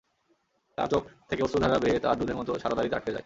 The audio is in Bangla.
তার চোখ থেকে অশ্রুধারা বেয়ে তার দুধের মত সাদা দাড়িতে আটকে যায়।